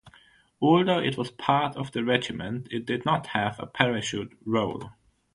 Although it was part of the regiment it did not have a parachute role.